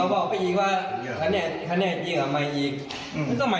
ยังบอกว่าก็จะไม่เจอละ